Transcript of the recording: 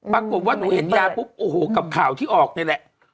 ปรากฏว่าหนูเห็นยาปุ๊บโอ้โหกับข่าวที่ออกนี่แหละ